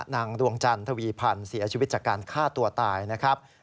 นางดวงจันทวีพันธ์เสียชีวิตจากการฆ่าตัวตายนะครับ